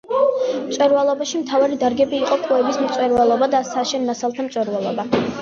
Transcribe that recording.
მრეწველობაში მთავარი დარგები იყო კვების მრეწველობა და საშენ მასალათა მრეწველობა.